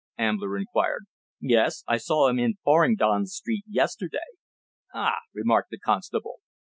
Ambler inquired. "Yes. I saw 'im in Farrin'don Street yesterday." "Ah!" remarked the constable.